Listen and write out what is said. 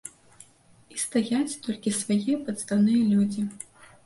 І стаяць толькі свае падстаўныя людзі.